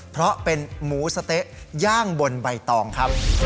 เพราะเป็นหมูสะเต๊ะย่างบนใบตองครับ